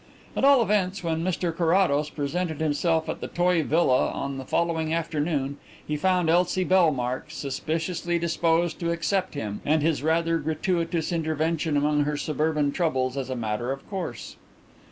At all events, when Mr Carrados presented himself at the toy villa on the following afternoon he found Elsie Bellmark suspiciously disposed to accept him and his rather gratuitous intervention among her suburban troubles as a matter of course.